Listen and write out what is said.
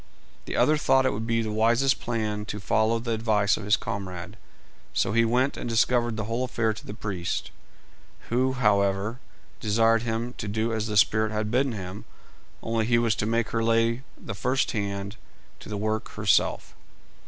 The other thought it would be the wisest plan to follow the advice of his comrade, so he went and discovered the whole affair to the priest, who, however, desired him to do as the spirit had bidden him, only he was to make her lay the first hand to the work herself.